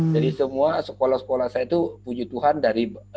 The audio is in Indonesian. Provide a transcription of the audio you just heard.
jadi semua sekolah sekolah saya itu puji tuhan dari